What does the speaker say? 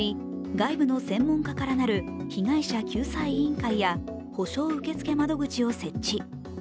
外部の専門家からなる、被害者救済委員会や補償受付窓口を設置。